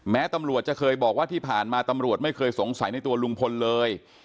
แม้ตำรวจจะเคยบอกว่าที่ผ่านมาตำรวจไม่เคยสงสัยในตัวลุงพลเลย